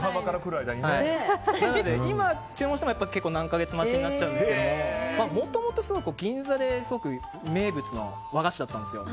今注文しても何か月待ちになるんですけどもともとすごく銀座で名物の和菓子だったんですよ。